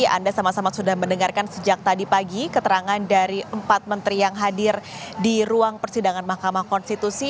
anda sama sama sudah mendengarkan sejak tadi pagi keterangan dari empat menteri yang hadir di ruang persidangan mahkamah konstitusi